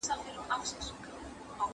بس يو تېره غوندي اغزى به مي په زړه کي مات سو